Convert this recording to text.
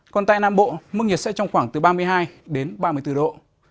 còn tại nam bộ mức nhiệt sẽ trong khoảng từ ba mươi hai đến ba mươi bốn độ